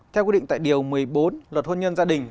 theo quy định tại điều một mươi bốn luật hôn nhân gia đình